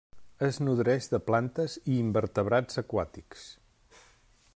Es nodreix de plantes i invertebrats aquàtics.